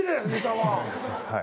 はい。